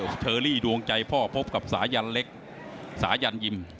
ออสเตอรี่ดวงใจพ่อพบกับสายันยิม